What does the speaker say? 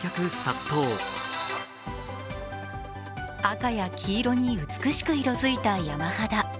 赤や黄色に美しく色づいた山肌